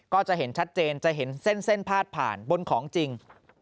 ก็จะเห็นชัดเจนจะเห็นเส้นพาดผ่านบนของจริง